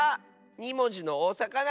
２もじのおさかな